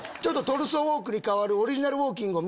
トルソーウォークにかわる。